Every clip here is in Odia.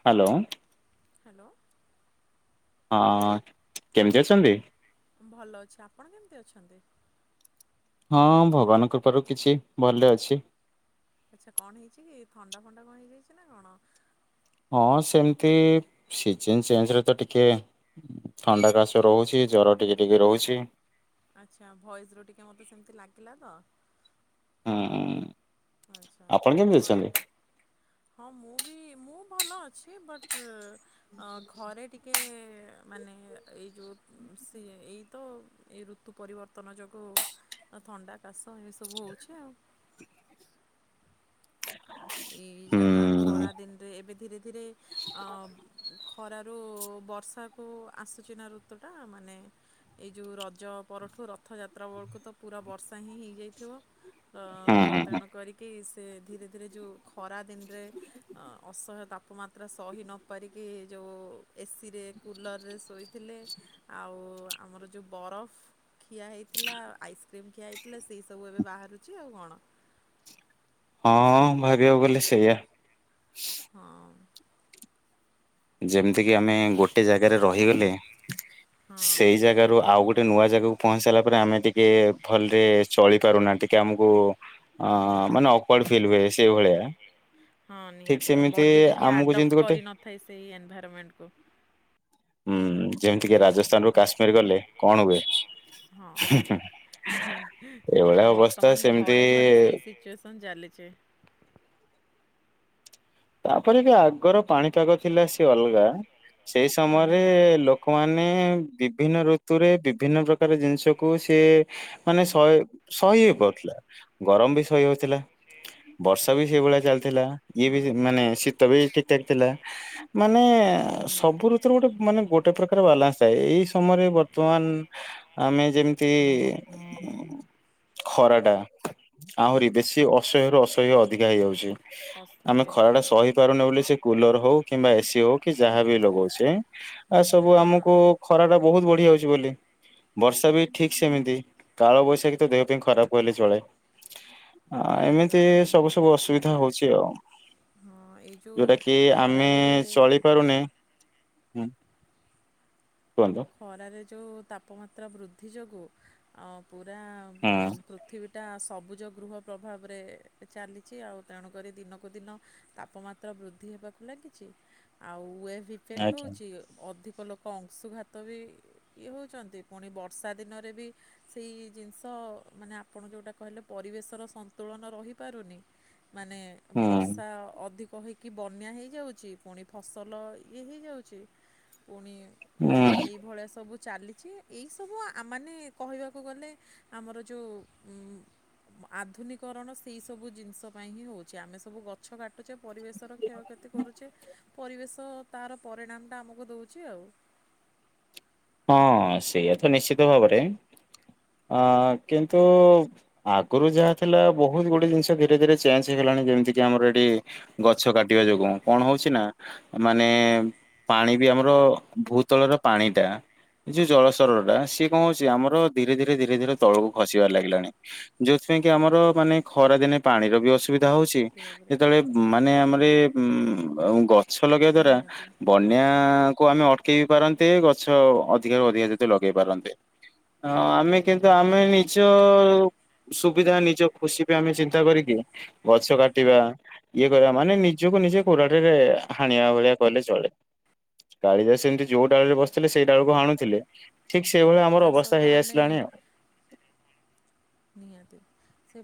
ହ୍ୟାଲୋ ହ୍ୟାଲୋ ହଁ କେମିତି ଅଛନ୍ତି? ଭଲ ଅଛି ଆପଣ କେମିତି ଅଛନ୍ତି? ହଁ ଭଗବାନଙ୍କ କୃପାରୁ କିଛି ଭଲ ଅଛି। ଆଚ୍ଛା କଣ ହେଇଛି କି ଥଣ୍ଡା ଫଥଣ୍ଡା କଣ ହେଇଯାଇଛି ନା କଣ? ହଁ ସେମିତି ସିଜନ ଚେଞ୍ଜରେ ତ ଟିକେ ଥଣ୍ଡା କାଶ ରହୁଛି ଜ୍ର ଟିକେ ଟିକେ ରହୁଛି। ଆଚ୍ଛା ଭଏସ ର ଟିକେ ମତେ ସେମିତି ଲାଗିଲା ତ। ହୁଁ ଆଚ୍ଛା ଆପଣ କେମିତି ହ ଅଛନ୍ତି? ହଁ ମୁଁ ବି ମୁଁ ଭଲ ଅଛି ବଟ୍ ଅ ଘରେ ଟିକେ ମାନେ ଏଇ ଯୋଉ ସିଏ ଏଇ ତ ଏଇ ଋତୁ ପରିବର୍ତ୍ତନ ଯୋଗୁଁ ଥଣ୍ଡା କାଶ ଏଇସବୁ ହେଉଛି ଆଉ। ଏଇ ହୁଁ ଯାହା ଖରା ଦିନରେ ଏବେ ଧୀରେ ଧୀ ଧୀରେ ଆ, ଖରାରୁ ବର୍ଷାକୁ ଆସୁଚି ନା ଋତୁଟା, ମାନେ ଏଇ ଯଉଁ ରଜ ପରଠୁ ରଥଯାତ୍ରା ବଳକୁ ତ ପୁରା ବର୍ଷା ହିଁ ହେଇଯାଇଥିବ। ଅ ହୁଁ ତ ହୁଁ ହୁଁ। ତେଣୁକରି କି ସେ ଧୀରେ ଧୀରେ ଯଉ ଖରା ଦିନରେ ଆ ଅସହାୟ ତାପମାତ୍ରା ସହି ନପାରିକି ଯଉ, ଏସିରେ କୁଲରରେ ଶୋଇଥିଲେ। ଆଉ ଆମର ଯଉ ବରଫ ଖିଆ ହେଇଥିଲା, ଆଇସ୍କ୍ରିମ୍ ଖିଆ ହେଇଥିଲା ସେଇ ସବୁ ଏବେ ବାହାରୁଚି ଆଉ କଣ। ହଁ ଭାବିବାକୁ ଗଲେ ସେଇଆ। ହଁ। ଯେମିତିକି ଆମେ ଗୋଟେ ଜାଗାରେ ରହିଗଲେ। ହଁ ସେଇ ଜାଗାରୁ ଆଉ ଗୋଟ ଗୋଟେ ନୂଆ ଜାଗାକୁ ପହଞ୍ଚି ସାରିଲା ପରେ ଆମେ ଟିକେ ଭଲରେ ଚଳି ପାରୁନା ଟିକ କେ ଆମକୁ ହଁ ମାନେ ଅକ୍ୱାର୍ଡ ଫିଲ୍ ହୁଏ ସେଇଭଳିଆ ହଁ ଠିକ ନିହାତି। ସେମିତି ବଡି ଟିକେ ଆମକୁ ଆଡପ୍ଟ ଯେମିତି ଗୋଟେ କରିନଥାଏ ସେଇ ଏନ୍ଭାରମେଣ୍ଟ କୁ। ହୁଁ, ଯେ ମିତି ଟିକେ ରାଜସ୍ଥାନରୁୁ କାଶ୍ମୀର ଗଲେ କଣ ହୁଏ? ହଁ [unintelligible] ଏବେ ଏଇଭଳିଆ ଅବସ୍ଥା ବର୍ତ୍ତମାନ ସେମିତି ଘରେ ଘରେ ସେଇ ସିଚୁଏସନ୍ ଚାଲିଛି ତାପରେ କି ଆଗର ପାଣିପାଗ ଥିଲା ସିଏ ଅଲଗା। ସେଇ ହଁ ସମୟରେ ନିହାତି। ଲୋକମାନେ ବିଭିନ୍ନ ଋତୁରେ ବିଭିନ୍ନ ପ୍ରକାର ଜିନିଷକୁ ସିଏ ମାନେ ସଇ ସହି ହେଇପାରୁଥିଲା। ଗରମ ବି ସହି ହଉଥିଲା। ବର୍ଷା ବି ସେଇଭଳିଆ ଚାଲି ଥିଲା। ଇଏ ବି ହଁ। ମାନେ ଶୀତ ବି ଠିକଠାକ ଥିଲା। ମାନେ ସବୁ ନିହାତି। ଋତୁରେ ଗୋଟେ ମାନେ ଗୋଟେ ପ୍ରକାର ବାଲାନ୍ସ ଏଇ ସମୟରେ ବର୍ତ୍ତମାନ ଆମେ ଯେମିତି ଖରାଟା ଆହୁରି ବେଶୀ ଅସହ୍ୟରୁୁ ଅସହ୍ୟ ଅଧିକା ହେଇଯାଉଚି। ଅସ୍ତ ଆମେ ଖରା ଟା ହେଇଯାଉଛି। ସହି ପାରୁନି ବୋଲି ସେ କୁଲର ହଉ କିମ୍ବା ଏସିି ହଉ କି ଯାହାବି ଲଗଉଚେ, ଆ ସବୁ ନା ଆମକୁ ଖରା ଟା ବହୁତ ବଢ ବଢ଼ି ଯାଉଚି ବୋଲି। ବର୍ଷା ବି ଠିକ ସେମିତି କାଳ ବୈଶାଖୀ ତ ଦେହ ପାଇଁ ଖରାପ କହିଲେ ଚଳେ। ଆ ନିହାତି ଏମିତି ଭାବରେ ସବୁ ସବୁ ଅସୁବିଧା ହଉଚି କଟି ହଁ ଏଇ ଯେଉଁ ଯଉଟା କି ଆମେ ଖରାରେ ଚଳି ପାରୁନେ ହୁଁ। କୁହନ୍ତୁ। ଖରାରେ ଯଉ ତାପମାତ୍ରା ବୃଦ୍ଧି ଏଥି ଯୋଗୁଁ ଆଁ ପୁରା ଉଁ ହୁଁ ପୃଥିବୀଟା ଆସ ସବୁଜ ଗୃହ ପ୍ରଭାବରେ ଚାଲିଛି ଆଉ ତେଣୁକରି ଦିନକୁ ଦିନ ତାପମାତ୍ରା ବୃଦ୍ଧି ହେବାକୁ ଲାଗିଛି। ଆଉ ଏଫ ଇଫେକ୍ଟ ଆଜ୍ଞା। ହଉଛି ଅଧିକ ଲୋକ ଅଂଶୁ ଘାତ ତ ବି ଇଏ ହେଉଛନ୍ତି ପୁଣି ବର୍ଷା ଦିନରେ ବି ସେଇ ଜିନିଷ ମାନେ ଆପଣ ଯେଉଁଟା କହିଲେ ପରିବେଶର ସନ୍ତୁଳନ ରହିପାରୁନି। ମାନେ ହୁଁ ବର୍ଷା ଅଧିକ କହିକି ବନ୍ୟା ହେଇଯାଉଛି ପୁଣି ଫସଲ ଇଏ ହେଇଯାଉଛି ପୁଣି ମା ନି ହୁଁ ଏଇଭଳିଆ ସବୁ ଚାଲିଛି ଏଇସବୁ ମାନେ କହିବାକୁ ଗଲେ ଆମର ଯେଉଁ ଆଧୁନିକରଣ ସେଇ ସବୁ ଜିନିଷ ପାଇଁ ହିଁ ହେଉଛି ଆମେ ସବୁ ଗଛ କାଟୁଛେ ପରିବେଶର କ୍ଷୟକ୍ଷତି କରୁଛେ ପରିବେଶ ତାର ପରିଣାମଟା ଆମକୁ ଦେଉଛି ଆଉ। ହଁ ସେଇଆତ ନିଶ୍ଚିତ ଭାବରେ ଆଁ କିନ୍ତୁ ଆଗରୁ ଯାହା ଥିଲା ବହୁତ ଗୁଡ଼ିଏ ଜିନିଷ ଧୀରେ ଧୀରେ ଚେଞ୍ଜ ହେଇଗଲାଣି ଯେମିତିକି ଆମର ଏଠି ଗଛ କାଟିବା ଯୋଗୁଁ କଣ ହେଉଛି ନା ମାନେ ପାଣି ବି ଆମର ଭୂତଳର ପାଣିଟା ଯୋଉ ଜଳ ସର ଟା ସିଏ କଣ ହଉଛି ଆମର ଧୀରେ ଧୀରେ ଧୀରେ ଧୀରେ ତଳକୁ ଖସିବାର ଲାଗିଲାଣି ଯୋଉଥିପାଇ କି ଆମର ମାନେ ଖରା ଦିନେ ପାଣିର ବି ଅ ସୁବିଧା ହଉଛି ସେ ଭାବରେ ଯେତେବେ ମାନେ ଆମର ଵି ଗଛ ଲଗେଇବା ଦ୍ଵାରା ନିହାତି ବନ୍ୟା କୁ ଆମେ ଅଟକେଇ ବି ପାରନ୍ତି ଗଛ ଅଧିକ ର ଅଧିକା ଯେତେ ଲଗେଇ ପାରନ୍ତେ ଆମେ କିନ୍ତୁ ଆମେ ନିଜ ସୁବିଧା ନିଜ ଖୁସି ବି ଆମେ ଚିନ୍ତା କରିକି ଗଛ କାଟିବା ଇଏ କରିବା ମାନେ ନିଜକୁ ନିଜେ କୁରାଢ଼ୀ ରେ ହାଣିବା ଭଳିଆ କଲେ ଚଳେ କାଳିଦାସ ସେମିତି ଯୋଉ ଡାଳରେ ବ ହେଲେ ସେଇଟା ବେଳକୁ ହାଣୁଥିଲେ ହଁ ଆମର ତା ଅବସ୍ଥା ସହିତ ହେଇ ଆମେ ଆସିଲାଣି ଆଉ। ନିହାତି ସେ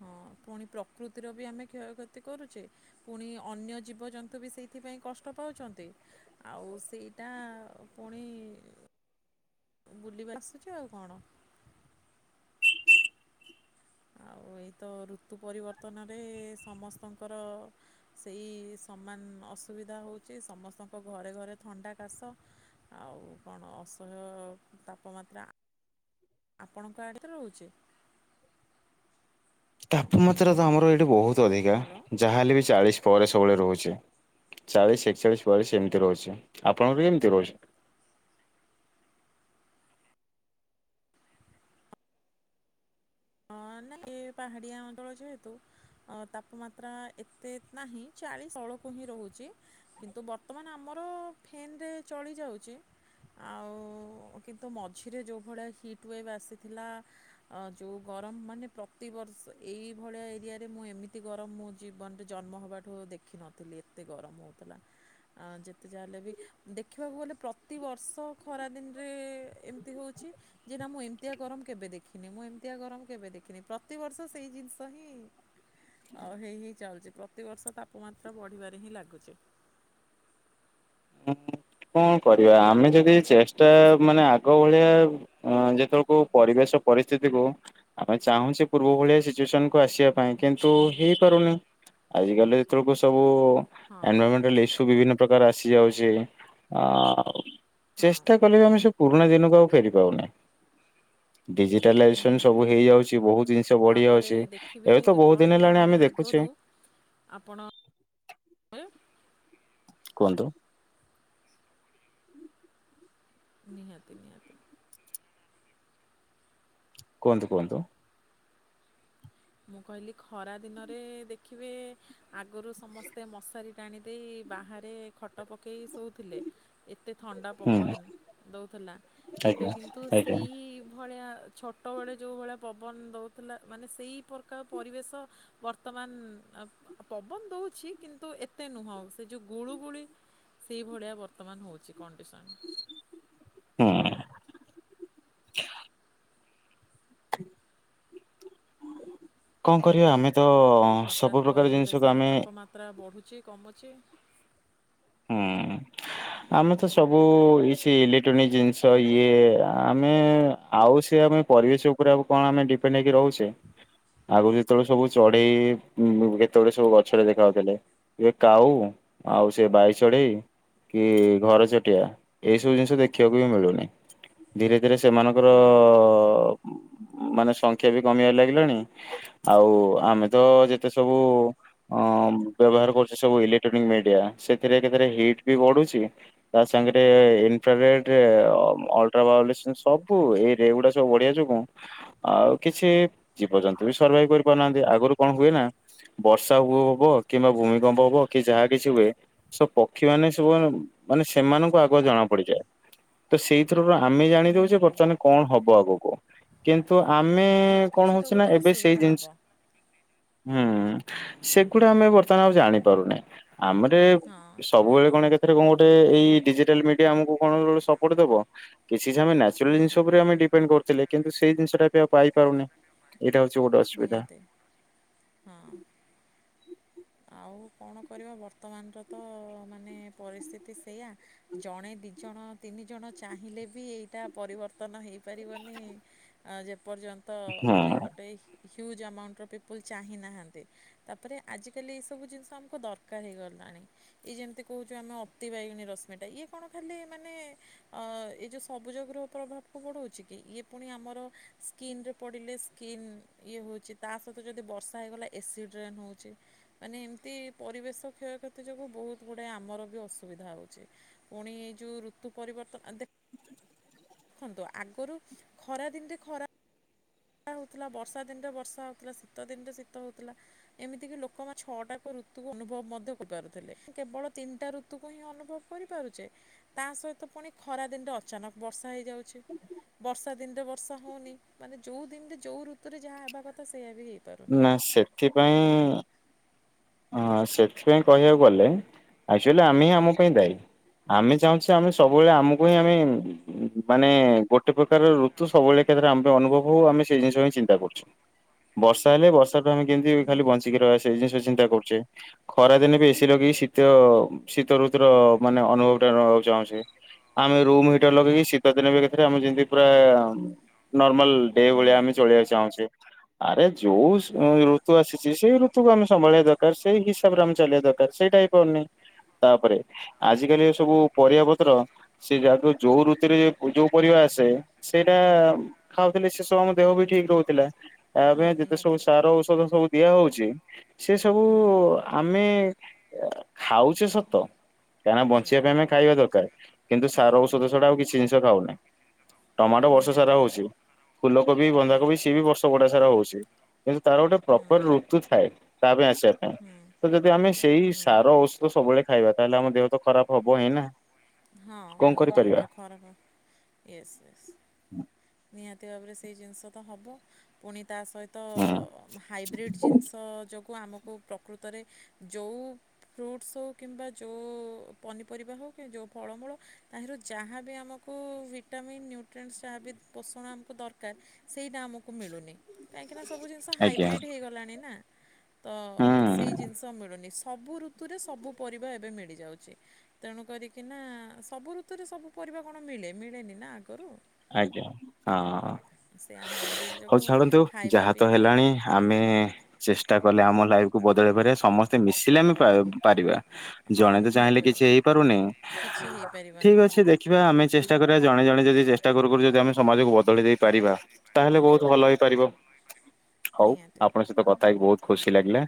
ହଁ ପୁଣି ପ୍ରକୃତିର ବି ଆମେ କ୍ଷୟକ୍ଷତି କରୁଛେ ପୁଣି ଅନ୍ୟ ଜୀବଜନ୍ତୁ ବି ସେଇଥିପାଇଁ କଷ୍ଟ ପାଉଛନ୍ତି ଆଉ ସେଇଟା ପୁଣି ବୁଲ ଆସୁଛି ଆଉ କଣ? ଆଉ ଏଇ ତ ଋତୁ ପରିବର୍ତ୍ତନରେ ସମସ୍ତଙ୍କର ସେଇ ସମାନ ଅସୁବିଧା ହେଉଛି ସମସ୍ତଙ୍କ ଘରେ ଘରେ ଥଣ୍ଡା କାଶ ଆଉ କଣ ଅସହ୍ୟ ତାପମାତ୍ରା ଆପଣଙ୍କ ଆଡ଼ରେ ରହୁଛି ତାପମାତ୍ରା ତ ଆମର ଏଇଠି ବହୁତ ଅଧିକା ହ୍ୟାଲୋ। ଯାହାଲେ ବି ଚାଳିଶ ପରେ ସବୁବେଳେ ରହୁଛି ଚାଳିଶ ଏକଚାଳିଶ ବୟାଲିସ ଏମିତି ରହୁଛି ଆପଣଙ୍କର କେମିତି ରହୁଛି ହଁ ନାଇଁ ଏ ପାହାଡ଼ିଆ ଅଞ୍ଚଳ ଯେହେତୁ ତାପମାତ୍ରା ଏତେ ନାହିଁ ଚାଳିଶ ତଳକୁ ହିଁ ରହୁଛି କିନ୍ତୁ ବର୍ତ୍ତମାନ ଆମର ଫେନ୍ରେ ଚଳିଯାଉଛି ଆଉ କିନ୍ତୁ ମଝିରେ ଯେଉଁଭଳିଆ ହିଟ୍ ୱେଭ୍ ଆସିଥିଲା ଯେଉଁ ଗରମ ମାନେ ପ୍ରତିବର୍ଷ ଏଇଭଳିଆ ଏରିଆରେ ମୁଁ ଏମିତି ଗରମ ମୋ ଜୀବନରେ ଜନ୍ମ ହେବାଠୁ ଦେଖିନଥିଲି ଏତେ ଗରମ ହେଉଥିଲା ଯେତେ ଯାହା ହଲେ ବି ଦେଖିବାକୁ ଗଲେ ପ୍ରତିବର୍ଷ ଖରାଦିନରେ ଏମିତି ହେଉଛି ଯେ ନା ମୁଁ ଏମିତିଆ ଗରମ କେବେ ଦେଖିନି ମୁଁ ଏମ ତୃତୀୟ ଗରମ କେବେ ଦେଖିନି ପ୍ରତିବର୍ଷ ସେଇ ଜିନିଷ ହିଁ ହେଇ ହିଁ ଚାଲୁଛି ପ୍ରତିବର୍ଷ ତାପମାତ୍ରା ବଢିବାରେ ହିଁ ଲାଗୁଛି। କଣ କରିବା ଆମେ ଯଦି ଚେଷ୍ଟା ମାନେ ଆଗ ଭଳିଆ ଯେତେବେଳକୁ ପରିବେଶ ପରିସ୍ଥିତିକୁ ଆମେ ଚାହୁଁଛେ ପୂର୍ବ ଭଳିଆ ସିଚୁଏସନ କୁ ଆସିବା ପାଇଁ କିନ୍ତୁ ହେଇପାରୁନି ଆଜିିକାଲି ଯେତେବେଳକୁ ସବୁ ହଁ ଏନଭରମେଟଇ ବିଭିନ୍ନ ପ୍ରକାର ଆସି ଯାଉଛି। ଆଉ ହଁ ଚେଷ୍ଟା କଲେ ଆମେ ସବୁ ପରୁଣା ଦିନକୁ ଆଉ ଫେରି ପାଉନି ଡିଜିଟାଲାଇେସନ ସବୁ ନିହାତି ହେଇଯାଉଛି ବହୁତ ଜିନିଷ ବଢି ତାପରେ ଯାଉଛି ଦେଖିବେ ଏବେ ତ ବହୁତ ଯେତେବେଳେ ଦିନ ହେଲାଣି ମାନେ ଆମେ ଦେଖୁଛେ ଆଗରୁ ଆପଣ କୁହନ୍ତୁ। ନିହାତି ନିହାତି। କୁହନ୍ତୁ କୁହନ୍ତୁ। ମୁଁ କହିଲି ଖରା ଦିନରେ ଦେଖିବେ ଆଗରୁ ସମସ୍ତେ ମଶାରୀ ଟାଣି ଦେଇ ବାହାରେ ଖଟ ପକେଇ ପକେଇ ଶୋଉଥିଲେ ଏତେ ଥଣ୍ଡା ହୁଁ ପବନ ଦଉଥିଲା ଏବେ ଆଜ୍ଞା। କିନ୍ତୁ ଆଜ୍ଞା ସେଇ ଭଳିଆ ଛୋଟବେଳେ ଯଉଁ ଭଳିଆ ପବନ ଦଉଥିଲା, ମାନେ ସେଇ ପ୍ରକାର ପରିବେଶ ବର୍ତ୍ତମାନ ଆ ପବନ ଦଉଚି, କିନ୍ତୁ ଏତେ ନୁହଁ ସେ ଯଉଁ ଗୁଳୁଗୁଳି ସେଭଳିଆ ବର୍ତ୍ତମାନ ହଉଚି କଣ୍ଡିସନ୍। ହୁଁ। କଣ କରିବା ଆମେ? ତ ହଠାତ୍ ସବୁ ପ୍ରକାର ଜିନିଷକୁ ଆମେ ଚି କମୁଚି। ହୁଁ। ଆମେ ତ ସବୁ ଏ ସି ଇଲେକ୍ଟ୍ରୋନିକ ଜିନିଷ ଇଏ ଆମେ ଆଉ ସେ ଆମେ ପରିବେଶ ଉପରେ ଆ କଣ ଆମେ ଡିପେଣ୍ଡ ହେଇକି ରହୁଚେ? ଆଗରୁ ଯେତେବେଳେ ସବୁ ଚଢେଇ ଉ କେତେବେଳେ ସବୁ ଗଛରେ ଦେଖାଯାଉଥିଲେ। ଏ କାଉ ଆଉ ସେ ବାଇ ଚଢେଇ କି ଘର ଚଟିଆ ଏଇସବୁ ଜିନିଷ ଦେଖିବାକୁ ବି ମିଳୁନି। ଧୀରେ ଧୀରେ ସେମାନଙ୍କର ନିହାତି ମାନେ ସଂଖ୍ୟା ବି କମିବାରେ ଲାଗିଲାଣି, ଆଉ ଆମେ ତ ଯେତେ ସବୁ ବ୍ୟବହାର କରୁଚେ ସବୁ ଇଲେକ୍ଟ୍ରୋନିକ୍ ମିଡିଆ। ସେ ଥିରେ କା ଥିରେ ହିଟ୍ ବି ବଢୁଚି। ତା ସାଙ୍ଗରେ ଇନଫ୍ରାରେଡ ଅଲଟ୍ରାଭାଉଲେସନ ସବୁ ଏଇ ଗୁଡା ସବୁ ବଢିଆ ଯୋଗୁଁ ଆଉ କିଛି ଜୀବଜନ୍ତୁ ବି ସର୍ଭାଇଭ କରିପାରୁନାହାନ୍ତି। ଆଗରୁ କଣ ହୁଏ ନା ବର୍ଷା ହବ କିମ୍ବା ଭୂମିକମ୍ପ ହବ କି ଯାହା କିଛି ହୁଏ ସେ ପକ୍ଷୀ ମାନେ ସବୁ ମାନେ ମାନେ ସେମାନଙ୍କୁ ଆଗୁଆ ଜଣା ପଡିଯାଏ ତ ସେଇଥିରୁ ବି ଆ ଆମେ ଜାଣିଦଉଚେ, ନିହାତି। ବର୍ତ୍ତମାନ କଣ ହବ ଆଗକୁ। କ କିନ୍ତୁ ଆମେ ହଁ କଣ କିଛି ତ ହଉଚି ନା ଗୋଟେ ଏବେ ସେଇ ଅସୁବିଧା ଜିନିଷ ହବ ହୁଁ, ସେଗୁଡା ଆମେ ଆଉ ବର୍ତ୍ତମାନ ଜାଣିପାରୁନେ। ଆମରେ ଏ ହଁ ସବୁବେଳେ କଣ କେଥିରେ କଣ ଗୋଟେ ଏଇ ଡିଜିଟାଲ ମିଡିଆ ଆମକୁ କଣ ସପୋର୍ଟ ଦବ? କିଛି ଆମେ ନାଚୁରାଲ ହଁ ଜିନିଷ ଉପରେ ଆମେ ଡିପେଣ୍ଡ କରୁଥିଲେ। କିନ୍ତୁ ସେଇ ଜିନିଷ ଟା ବି ଆଉ ପାଇପାରୁନେ। ଏଇଟା ହଉଚି ଗୋଟେ ଅସୁବିଧା। ନିହାତି ହଁ ଆଉ କଣ କରିବ। ବର୍ତ୍ତମାନର ତ ମାନେ ପରିସ୍ଥିତି ସେଇୟା ଜଣେ ଦି ଜଣ ତିନି ଜଣ ଚାହିଁଲେ ବି ଏଇଟା ପରିବର୍ତ୍ତନ ହେଇପାରିବନି। ଆଉ ଯେ ପର୍ଯ୍ୟନ୍ତ ହଁ ମାନେ ଗୋଟେ ହ୍ୟୁଜ୍ ଆମାଉଣ୍ଟ ଅଫ୍ ପିପୁଲ୍ ଚାହିଁନାହାନ୍ତି। ତାପରେ ଆଜି ଜି କାଲି ଏଇସବୁ ଜିନିଷ ଆମକୁ ଦରକାର ହେଇଗଲାଣି। ଇ ଯେମିତି କହୁଚୁ ଆମେ ଅତିିବାଇଗୁଣୀ ରଶ୍ମିଟା, ଇଏ କଣ ଖାଲି ମାନେ ଏ ଯେଉଁ ସବୁଜ ଗୃହ ପ୍ରଭାବକୁ ବଡ଼ଉଛି କି? ଇଏ ପୁଣି ଆମର ସ୍କିିନ୍ରେ ପଡ଼ିଲେ ସ୍କିନ୍ ଇଏ ହଉଚି, ତା ସହିତ ଯଦି ବର୍ଷା ହେଇଗଲା ଏସିଡ଼ରେନ୍ ହଉଚି। ମାନେ ଏମିତି ପରିବେଶ କ୍ଷୟକ୍ଷତି ଯୋଗୁ ବହୁତ ଗୁଡାଏ ଆମର ବି ଅସୁବିଧା ହଉଚି। ପୁଣି ଏଇ ଯୋଉ ଋତୁ ପରିବର୍ତ୍ତନ ଆ ଦେ ଦେଖନ୍ତୁ ଆଗରୁ ଖରା ଦିନରେ ଖରା ହଉଥିଲା। ବର୍ଷା ଦିନରେ ବର୍ଷା ହଉଥିଲା। ଶୀତ ଦିନରେ ଶୀତ ହଉଥିଲା। ଏମିତି କିି ଲୋକମାନେ ଛଅଟା କା ଋତୁ ଅନୁଭବ ମଧ୍ୟ କରିପାରୁଥିଲେ। କେବଳ ତିନିଟା ଋତୁକୁ ହିଁ ଅନୁଭବ କରିପାରୁଚେ। ତା ସହିତ ପୁଣି ଖରା ଦିନରେ ଅଚାନକ ବର୍ଷ ହେଇଯାଉଚି। ବର୍ଷା ଦିନରେ ବର୍ଷା ହଉନି। ମାନେ ଦିନି ଯଉ ଋତୁରେ ଯାହା ହେବା କଥା ସେଇଆ ବି ହେଇପାରୁନି। ନା ସେଥିପାଇଁ ହଁ ସେଥିପାଇଁ କହିବାକୁ ଗଲେ ଏକ୍ଟୁଅଲି ଆମେ ହିଁ ଆମ ପାଇଁ ଦାୟୀ। ଆମେ ଚାହୁଁଛେ ଆମେ ସବୁବେଳେ ଆମକୁ ହିଁ ଆମେ ମାନେ ଗୋଟେ ପ୍ରକାର ଋତୁ ସବୁବେଳେ ଏକାଥରେ ଆମକୁ ଅନୁଭବ ହଉ, ଆମେ ସେଇ ଜିନିଷ ହଁ ଚିନ୍ତା କରୁଛୁ। ବର୍ଷା ହେଲେ ବର୍ଷାଠୁ ଆମେ କେମିତି ଖାଲି ନିହାତି ବଞ୍ଚିକି ରହିବା ସେଇ ଜିନିଷ ଚିନ୍ତା କରୁଚେ। ଖରାଦିନେ ବି ଏସି ଲଗେଇି ଶୀତ ଶୀତ ଋତୁର ମାନେ ଅନୁଭବ ଟା ନେବାକୁ ଚାହୁଁଚେ। ଆମେ ରୁମ ହିଟର ଲଗେଇକି ଶୀତ ଦିନେ ବି ଏକାଥରେ ଆମେ ଯେମିତି ପୁରା ନର୍ମାଲ ଏଇ ଭଳିଆ ଆମେ ନିହାତି ଚଳେଇବାକୁ ଚାହୁଁଛୁ। ଆରେ ଯଉ ସ୍ ଋତୁ ଆସିଚି, ସେଇ ଋତୁକୁ ଆମେ ସମ୍ଭାଳିବା ଦରକାର। ସେଇ ହିସାବରେ ଆମେ ଚାଲିବା ଦରକାର ସେଇ ଟାଇପ ହଉନି। ତାପରେ ଆଜିିକାଲି ସବୁ ପରିବା ପତ୍ର ସେ ଯାହା ବି ଯଉ ଋତୁରେ ଯଉ ପରିବା ଆସେ, ସେଇଟା ଖାଉଥିଲେ ସେ ସବୁ ଆମ ଦେହ ବି ଠିକ ରହୁଥିଲା। ଆ ହଁ ପାଇଁ ଯେତେ ସବୁ ନିହାତି ସାର ଔଷଧ ସବୁ ଦିଆ ହଉଚି, ସେ ସବୁ ହୁଁ। ଆମେ ଖାଉଚେ ସତ। କାଁ ନା ହୁଁ ବଞ୍ଚାଇବା ପାଇଁ ଆମେ ଖାଇବା ଦରକାର। କିନ୍ତୁ ସାର ହୁଁ ଔଷଧ ଛଡ଼ା ଆଉ କିଛି ଜିନିଷ ଖାଉନାହିଁ। ଟମାଟୋ ବର୍ଷ ସାରା ନିହାତି ହଉଛି ଭାବରେ ଫୁଲକୋବି ହଁ ବନ୍ଧାକୋବି ସିଏ ବି ବର୍ଷ ବୁଡା। ହଉଛି। କିନ୍ତୁ ତାର ଗୋଟେ ହୁଁ ପ୍ରପର ଋତୁ ଥାଏ। ତା ପାଇଁ ଆ ହୁଁ ତ ଯଦି ଆମେ ସେଇ ହୁଁ ସାର ଔଷଦ ସବୁବେଳେ ଖାଇବା ତାହେଲେ ଆମ ଦେହ ତ ଖରାପ ହବ ହିଁ ନା। ହଁ କଣ ନିହାତି କରିପାରିବା ଭାବରେ ଖରା ୟସ୍ ୟସ୍ ନିହାତି। ତି ଭାବରେ ସେଇ ଜିନିଷ ତ ହେବ ପୁଣି ତା ସହିତ ହୁଁ ହାଇବ୍ରିଡି ଜିନିଷ ଯୋ କୁ ଆମକୁ ପ୍ରକୃତରେ ଯଉ ଫ୍ରୁଟ୍ସ୍ ହଉ କିମ୍ବା ଯଉ ପନିପରିବା ହଉ କିମ୍ୱା ଯୋଉ ଫଳମୂଳ ତାହିରୁ ଯାହାବି ଆମକୁ ଭିଟାମିନ୍ ନ୍ୟୁଟ୍ରେଣ୍ଟସ୍ ଯାହା ବି ପୋଷଣ ଆମକୁ ଦରକାର ସେଇଟା ଆମକୁ ମିଳୁନି। କାହିଁକି ନା ସବୁ ଜିନିଷ ଆଜ୍ଞା ହୁଁ ହାଇବ୍ରିଡ ହେଇଗଲାଣି ନା। ତ ସେହି ଜିନିଷ ମିଳନି ଷ ସବୁ ଋତୁରେ ସବୁ ପରିବା ଏବେ ମିଳିଯାଉଚି ତେଣୁ କରି କି ନା ସବୁ ଋତୁରେ ସବୁ ପରିବା କଣ ମିଳେ ମିଳେନି ନା ଆଗରୁ। ଆଜ୍ଞା ହଁ। ସେ ହାଇବ୍ରିଡ଼୍ ହଉ ଯୋଗୁଁ ଛାଣନ୍ତୁ ଖାଇବା ଯାହା ତ ପିଇବା ହେଲାଣି ଆମେ ଚେଷ୍ଟା କଲେ ଆମ ଲାଇଫକୁୁ ବଦଳେଇ ବାରେ ସମସ୍ତେ ମିଶିଲେ ଆମେ ପା-ପାରିବା। ହଁ ଜଣେ ତ ଚାହିଁଲେ ନିହାତି କିଛି ଭାବେ ହେଇପାରୁନି କିଛି ହେଇପାରିବନି ଠିକ ହଁ ଅଛି ଦେଖିବା ଆମେ। ଚେଷ୍ଟା କରିବା ଜଣେ ଜଣ ଯଦି ଟା କରୁ କରୁ ଯଦି ଆମେ ସମାଜକୁ ବଦଳି ଦେଇ ପାରିବା ତାହେଲେ ବହୁତ ଭଲ ହେଇପାରିବ। ହଉ ନିହାତି ଆପଣଙ୍କ ସହିତ କଥା ହେଇକି ବହୁତ ଖୁସି ଲାଗିଲା।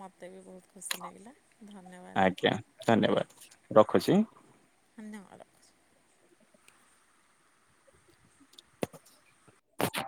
ମୋତେ ବି ବହୁତ ଖୁସି ଲାଗିଲା ଧନ୍ୟବାଦ ଆଜ୍ଞା ଧନ୍ୟବାଦ। ରଖୁଛି। ଧନ୍ୟବାଦ। [inaudible]